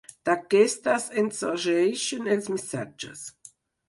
D’aquestes en sorgeixen els missatges.